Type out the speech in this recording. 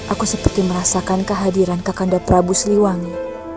aku seperti merasakan kehadiran kakanda prabu siliwangi